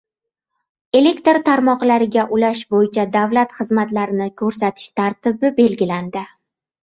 Elektr tarmoqlariga ulash bo‘yicha davlat xizmatlarini ko‘rsatish tartibi belgilandi